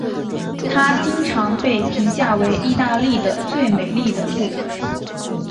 它经常被评价为意大利的最美丽的部分。